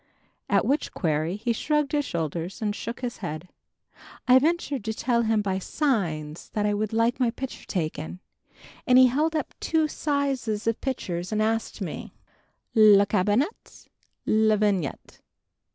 at which query he shrugged his shoulders and shook his head! I ventured to tell him by signs that I would like my picture taken and he held up two sizes of pictures and asked me "Le cabinet, le vignette?"